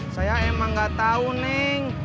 saya emang gak tahu neng